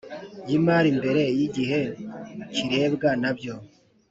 y imari mbere y igihe kirebwa na byo